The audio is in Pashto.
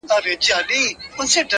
دلته لېونیو نن د عقل ښار نیولی دی!